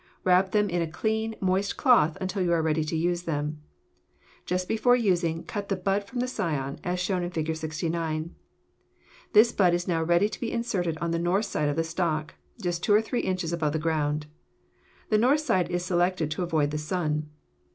Wrap them in a clean, moist cloth until you are ready to use them. Just before using cut the bud from the scion, as shown in Fig. 69. This bud is now ready to be inserted on the north side of the stock, just two or three inches above the ground. The north side is selected to avoid the sun.